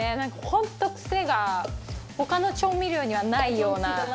ホントクセが他の調味料にはないような。